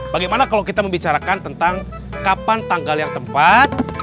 bagaimana kalau kita membicarakan tentang kapan tanggal yang tepat